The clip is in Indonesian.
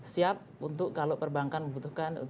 siap untuk kalau perbankan membutuhkan